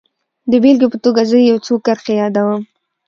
د بېلګې په توګه زه يې يو څو کرښې يادوم.